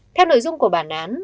theo nội dung của bản án